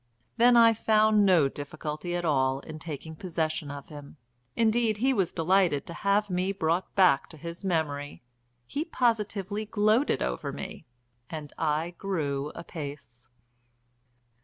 Then I found no difficulty at all in taking possession of him; indeed he was delighted to have me brought back to his memory, he positively gloated over me, and I grew apace.